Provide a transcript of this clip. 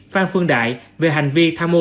phan phương đại về hành vi tham mô